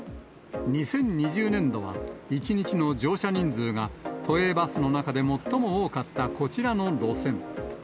２０２０年度は一日の乗車人数が、都営バスの中で最も多かったこちらの路線。